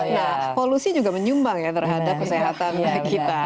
nah polusi juga menyumbang ya terhadap kesehatan kita